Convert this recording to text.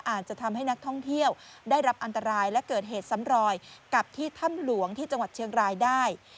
อาจจะทำให้นักท่องเที่ยวได้รับอันตรายและเกิดเหตุซ้ำรอยกับที่ถ้ำหลวงที่จังหวัดเชียงรายได้